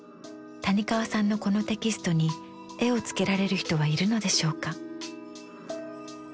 谷川さんのこのテキストに絵をつけられる人はいるのでしょうか？